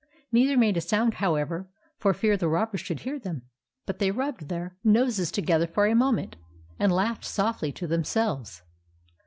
Neither made a sound, however, for fear the robbers should hear them ; but they rubbed their noses together for a moment, and laughed softly to themselves.